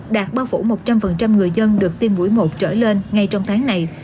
đạt bao phủ một trăm linh người dân được tiêm mũi một trở lên ngay trong tháng này